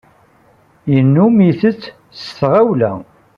Yennum ittett s tɣawla.